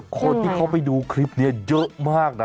คนที่เขาไปดูคลิปนี้เยอะมากนะ